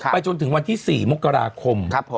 จนถึงวันที่๔มกราคม